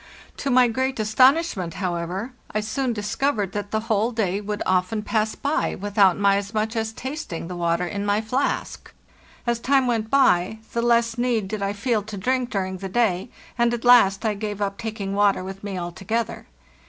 To my great astonishment, however, I soon discovered that the whole day would often pass by without my as much as tasting the water in my flask. As time went by, the less need did I feel to drink during the day, and at last I gave up taking water with me altogether.